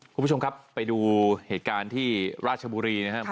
คุณผู้ชมครับไปดูเหตุการณ์ที่ราชบุรีนะครับ